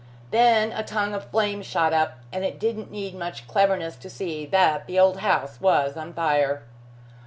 Then a tongue of flame shot up, and it didn't need much cleverness to see that the old house was on fire.